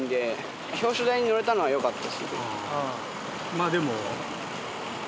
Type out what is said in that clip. まあでも。